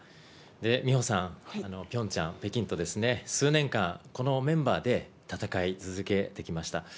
美帆さん、ピョンチャン、北京と数年間、このメンバーで戦い続けてきました。